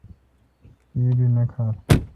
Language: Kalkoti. کی بھی نہ کھال۔